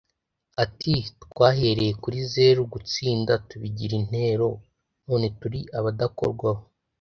Ati “Twahereye kuri zero gutsinda tubigira intero none turi abadakorwaho